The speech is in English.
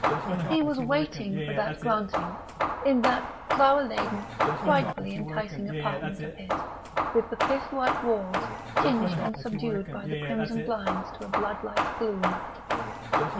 He was waiting for that granting, in that flower laden, frightfully enticing apartment of his, with the pith white walls tinged and subdued by the crimson blinds to a blood like gloom.